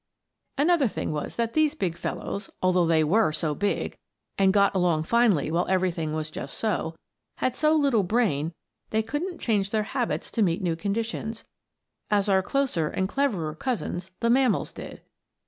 Another thing was that these big fellows, although they were so big, and got along finely while everything was just so, had so little brain they couldn't change their habits to meet new conditions, as our closer and cleverer cousins, the mammals, did.